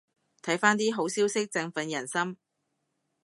睇返啲好消息振奮人心